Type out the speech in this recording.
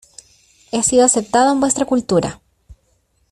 He sido aceptado en vuestra cultura.